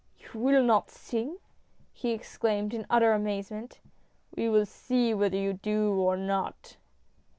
" You will not sing !" he exclaimed in utter amaze ment. "We will see whether you do or not."